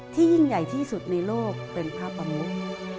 ยิ่งใหญ่ที่สุดในโลกเป็นพระประมุก